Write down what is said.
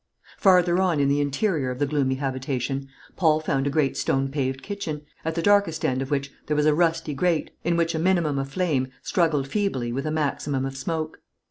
Farther on in the interior of the gloomy habitation Paul found a great stone paved kitchen, at the darkest end of which there was a rusty grate, in which a minimum of flame struggled feebly with a maximum of smoke.